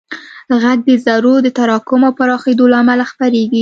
غږ د ذرّو د تراکم او پراخېدو له امله خپرېږي.